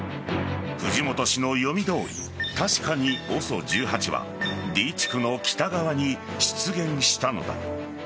藤本氏の読みどおり確かにＯＳＯ１８はＤ地区の北側に出現したのだ。